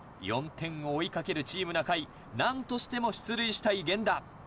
４点を追い掛けるチーム中居何としても出塁したい源田。